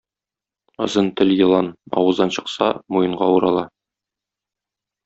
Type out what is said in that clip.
Озын тел елан: авыздан чыкса, муенга урала.